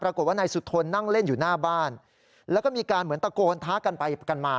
ปรากฏว่านายสุธนนั่งเล่นอยู่หน้าบ้านแล้วก็มีการเหมือนตะโกนท้ากันไปกันมา